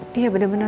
tidak ada apa apa